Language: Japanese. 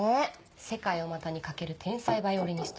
世界を股に掛ける天才ヴァイオリニスト。